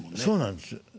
そうなんです。